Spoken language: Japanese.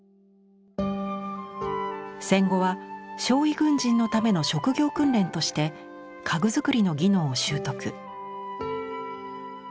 戦後は傷い軍人のための職業訓練として家具作りの技能を習得。